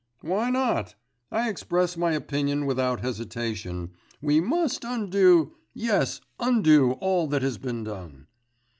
'Why not? I express my opinion without hesitation; we must undo ... yes ... undo all that has been done.